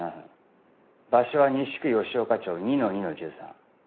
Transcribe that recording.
場所は西区吉岡町２の２の１３。